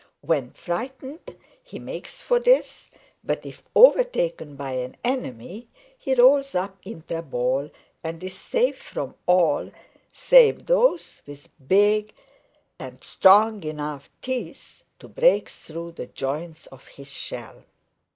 When frightened he makes for this, but if overtaken by an enemy he rolls up into a ball and is safe from all save those with big and strong enough teeth to break through the joints of his shell.